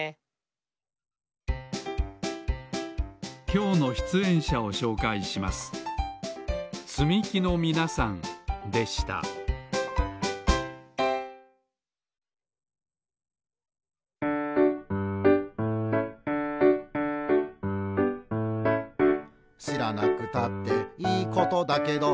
きょうのしゅつえんしゃをしょうかいしますでした「しらなくたっていいことだけど」